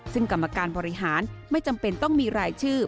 ซึ่งกรรมการบริหารไม่จำเป็นต้องมีรายชื่อ